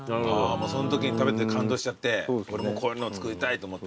そのときに食べて感動しちゃって俺もこういうの作りたいと思って。